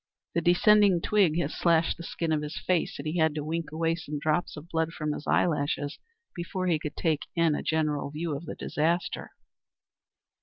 The descending twig had slashed the skin of his face, and he had to wink away some drops of blood from his eyelashes before he could take in a general view of the disaster.